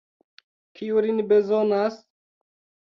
Kiu nin bezonas?